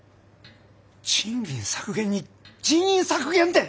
賃金削減に人員削減って！